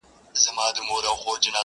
هره ورځ انتظار” هره شپه انتظار”